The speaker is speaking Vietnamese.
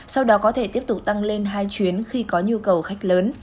sau đó có thể tiếp tục tăng lên hai chuyến khi có nhu cầu khách lớn